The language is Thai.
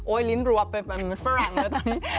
โอ๊ยลิ้นรัวไปมันฝรั่งเลยตอนนี้